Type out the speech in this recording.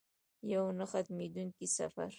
یو نه ختمیدونکی سفر.